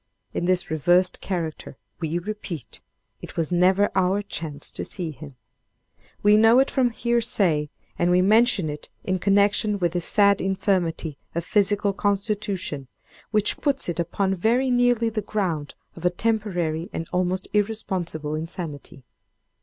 In this reversed character, we repeat, it was never our chance to see him. We know it from hearsay, and we mention it in connection with this sad infirmity of physical constitution; which puts it upon very nearly the ground of a temporary and almost irresponsible insanity.